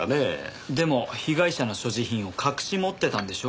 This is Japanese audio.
でも被害者の所持品を隠し持ってたんでしょう？